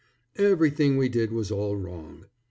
Everything we did was all wrong.